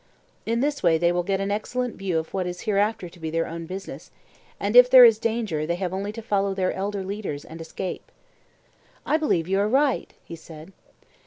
In this way they will get an excellent view of what is hereafter to be their own business; and if there is danger they have only to follow their elder leaders and escape. I believe that you are right, he said.